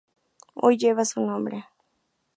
Hoy lleva su nombre.